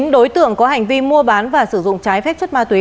một mươi chín đối tượng có hành vi mua bán và sử dụng trái phép chất ma túy